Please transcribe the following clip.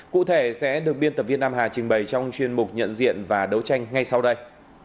cụ thể sẽ được biên tập viên nam hà trình bày trong chuyên mục nhận diện và đấu tranh ngay sau đây